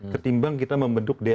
ketimbang kita membentuk dns